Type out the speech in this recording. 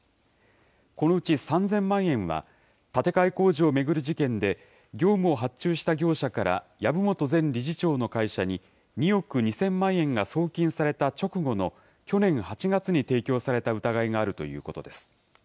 このうち３０００万円は、建て替え工事を巡る事件で、業務を発注した業者から籔本前理事長の会社に、２億２０００万円が送金された直後の去年８月に提供された疑いがあるということです。